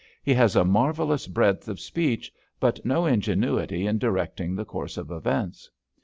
He has a marvellous breadth of speech, but no ingenuity in directing the course of events.